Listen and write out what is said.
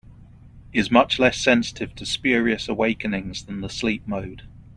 Is much less sensitive to spurious awakenings than the sleep mode.